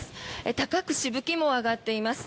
高くしぶきも上がっています。